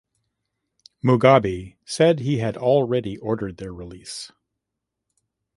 Mugabe said he had already ordered their release.